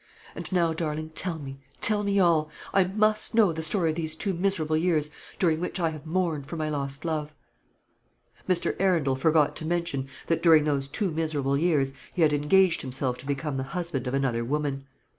And now, darling, tell me, tell me all. I must know the story of these two miserable years during which I have mourned for my lost love." Mr. Arundel forgot to mention that during those two miserable years he had engaged himself to become the husband of another woman.